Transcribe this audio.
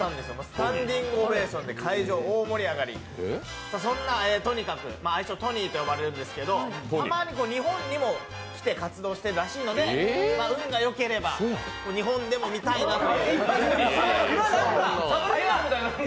スタンディングオベーションで会場大盛り上がり、そんなＴｏｎｉｋａｋｕ愛称トニーと呼ばれるんですけどたまに日本にも来て活動してるらしいので、運がよければ日本でも見たいなと。